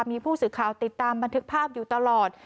มีผู้สื่อข่าวติดตามบันทึกภาพอยู่ตลอด